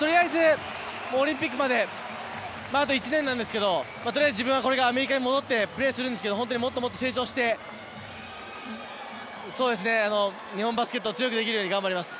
オリンピックまであと１年なんですけどとりあえず、自分はこれからアメリカに戻ってプレーするんですけどもっともっと成長して日本バスケットを強くできるように頑張ります。